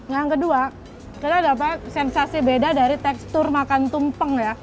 yang kedua kita dapat sensasi beda dari tekstur makan tumpeng ya